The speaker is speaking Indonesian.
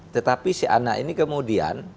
tetapi si anak ini kemudian